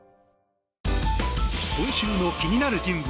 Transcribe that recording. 今週の気になる人物